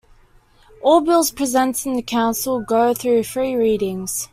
All bills presented in the Council go through three readings.